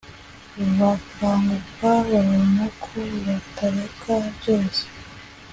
bakanguka, babona ko batareka byose